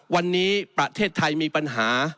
วันนี้ประเทศไทยมีปัญหา